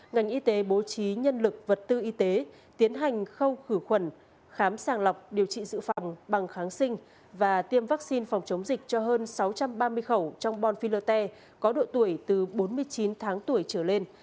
ngành y tế bố trí nhân lực vật tư y tế tiến hành khâu khử khuẩn khám sàng lọc điều trị dự phòng bằng kháng sinh và tiêm vaccine phòng chống dịch cho hơn sáu trăm ba mươi khẩu trong bon filler té có độ tuổi từ bốn mươi chín tháng tuổi trở lên